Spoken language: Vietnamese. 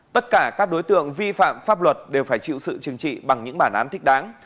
tất cả các đối tượng vi phạm pháp luật đều phải chịu sự chừng trị bằng những bản án thích đáng